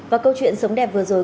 và câu chuyện sống đẹp vừa rồi